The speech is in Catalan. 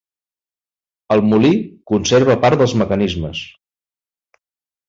El molí conserva part dels mecanismes.